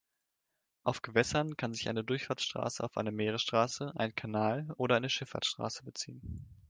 Auf Gewässern kann sich eine Durchfahrtsstraße auf eine Meeresstraße, einen Kanal oder eine Schifffahrtsstraße beziehen.